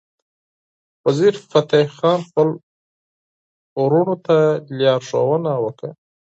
وزیرفتح خان خپل ورورانو ته لارښوونه وکړه.